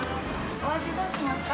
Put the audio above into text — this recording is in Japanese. お味どうしますか？